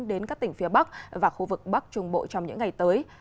đến các tỉnh phía bắc và khu vực bắc trung bộ trong những ngày tới